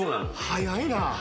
早いな。